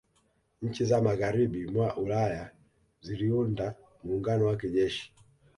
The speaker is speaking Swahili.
Nchi za Magharibi mwa Ulaya ziliunda muungano wa kijeshi